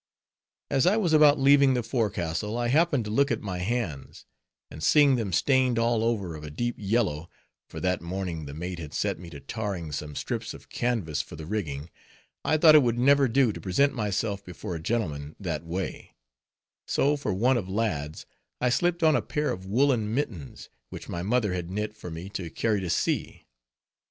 As I was about leaving the forecastle, I happened to look at my hands, and seeing them stained all over of a deep yellow, for that morning the mate had set me to tarring some strips of canvas for the rigging I thought it would never do to present myself before a gentleman that way; so for want of lads, I slipped on a pair of woolen mittens, which my mother had knit for me to carry to sea.